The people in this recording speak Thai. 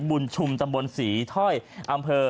บุญชุมตำบลศรีถ้อยอำเภอ